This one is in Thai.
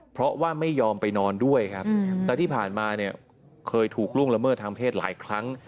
เพราะว่าไม่ยอมไปนอนด้วยครับและที่ผ่านมาเนี่ยเคยถูกล่วงละเมิดทางเพศหลายครั้ง